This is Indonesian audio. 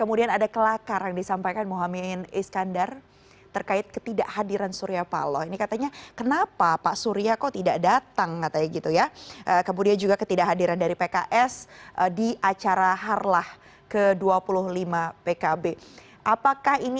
ambang ambang batasnya akan terpenuhi tidak